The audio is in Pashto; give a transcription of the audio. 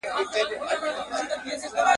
له خپل ځانه مي کافر جوړ کړ ته نه وي.